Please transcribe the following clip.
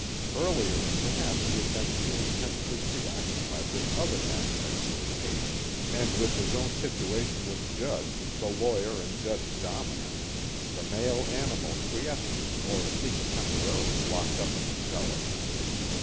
Earlier perhaps he had been too intensely preoccupied with other aspects of the case and with his own situation as Judge, the lawyer and judge dominant, the male animal quiescent or at least temporarily locked up in the cellar.